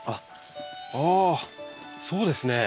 ああそうですね。